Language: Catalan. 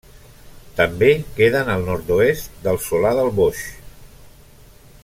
També queden al nord-oest del Solà del Boix.